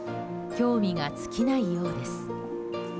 興味が尽きないようです。